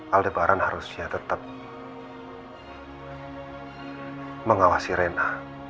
aldebaran harusnya tetap mengawasi rena